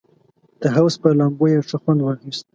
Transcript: د حوض پر لامبو یې ښه خوند واخیست.